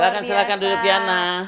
silahkan silahkan duduk diana